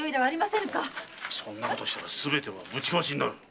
そんなことしたらすべてぶち壊しになる。